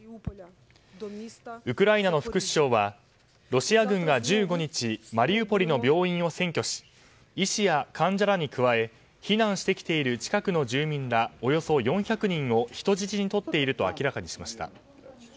ウクライナの副首相はロシア軍が１５日マリウポリの病院を占拠し医師や患者らに加え避難してきている近くの住民ら、およそ４００人を人質に取っていると明らかにしました。